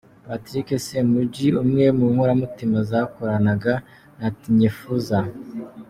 Patrick Ssemujju, umwe mu nkoramutima zakoranaga na Tinyefuza.